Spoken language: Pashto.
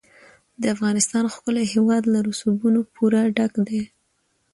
د افغانستان ښکلی هېواد له رسوبونو پوره ډک دی.